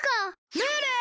ムール！